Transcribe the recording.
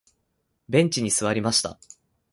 ベンチに座りました。